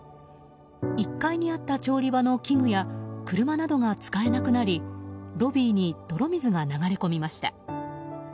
１階にあった調理場の器具や車などが使えなくなりロビーに泥水が流れ込みました。